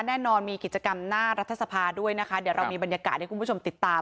แน่นอนมีกิจกรรมหน้ารัฐสภาด้วยนะคะเดี๋ยวเรามีบรรยากาศให้คุณผู้ชมติดตาม